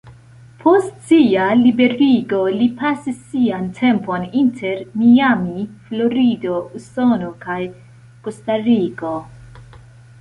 Post sia liberigo, li pasis sian tempon inter Miami, Florido, Usono kaj Kostariko.